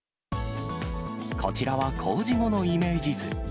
こちらは工事後のイメージ図。